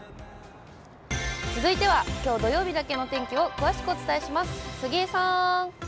続いてはきょう土曜日だけの天気を詳しくお伝えします。